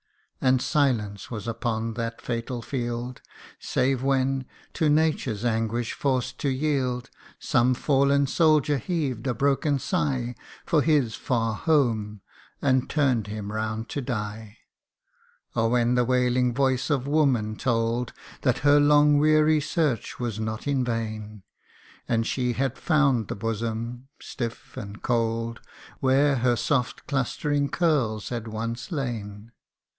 And silence was upon that fatal field, Save when, to nature's anguish forced to yield, Some fallen soldier heaved a broken sigh For his far home, and turn'd him round to die : Or when the wailing voice of woman told That her long weary search was not in vain, And she had found the bosom, stiff and cold, Where her soft clustering curlsjiad often lain.